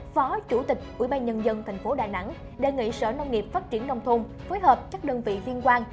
phó chủ tịch ubnd tp đà nẵng đề nghị sở nông nghiệp phát triển nông thôn phối hợp các đơn vị liên quan